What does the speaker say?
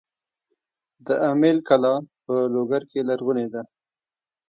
د امیل کلا په لوګر کې لرغونې ده